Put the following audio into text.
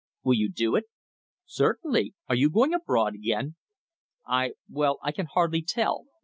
Will you do it?" "Certainly. Are you going abroad again?" "I well, I can hardly tell.